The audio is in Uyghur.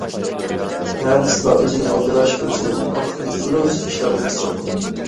ھە دېسىلا ئۆزىنى ئالدىراش كۆرسىتىپ، ۋاقتىنى ئورۇنسىز ئىشلار بىلەن ئىسراپ قىلىدۇ.